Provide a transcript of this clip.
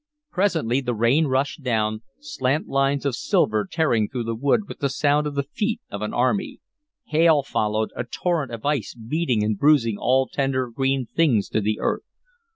Presently the rain rushed down, slant lines of silver tearing through the wood with the sound of the feet of an army; hail followed, a torrent of ice beating and bruising all tender green things to the earth.